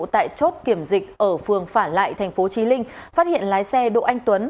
tại chốt kiểm dịch ở phường phản lại tp chí linh phát hiện lái xe độ anh tuấn